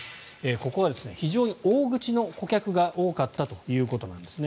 ここは非常に大口の顧客が多かったということなんですね。